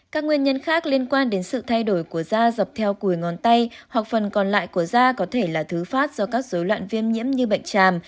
các nguyên nhân khác liên quan đến sự thay đổi của da dọc theo cùi ngón tay hoặc phần còn lại của da có thể là thứ phát do các dối loạn viêm nhiễm như bệnh tràm